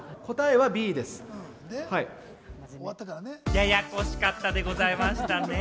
ややこしかったでございましたね。